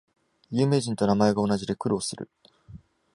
有名人と名前が同じで苦労する